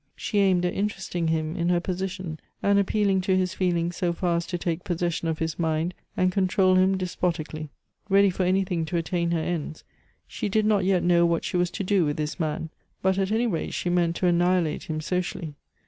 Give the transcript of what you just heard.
She aimed at interesting him in her position, and appealing to his feelings so far as to take possession of his mind and control him despotically. Ready for anything to attain her ends, she did not yet know what she was to do with this man; but at any rate she meant to annihilate him socially.